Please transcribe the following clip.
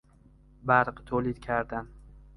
برق تولید کردن